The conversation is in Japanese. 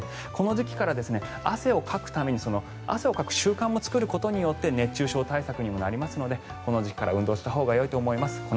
この時期から、汗をかくために汗をかく習慣を作ることで熱中症対策にもなりますのでこの時期から運動をしたほうがよいと思います。